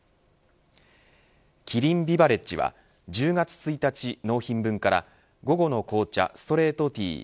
キリンビバレッジは１０月１日納品分から午後の紅茶ストレートティー５００